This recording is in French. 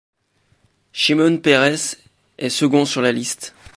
Shimon Peres est second sur la liste.